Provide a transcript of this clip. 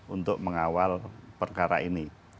untuk mengawal perkara ini